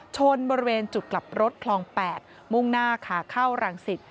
ชนบริเวณจุดกลับรถคลอง๘มุ่งหน้าขาเข้ารังสิต